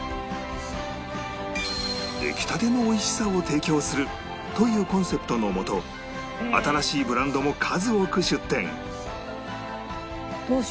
出来たての美味しさを提供するというコンセプトのもと新しいブランドも数多く出店